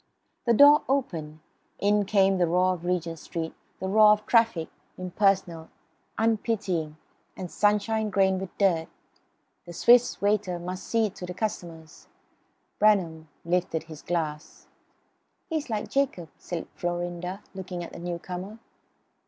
The door opened; in came the roar of Regent Street, the roar of traffic, impersonal, unpitying; and sunshine grained with dirt. The Swiss waiter must see to the newcomers. Bramham lifted his glass. "He's like Jacob," said Florinda, looking at the newcomer.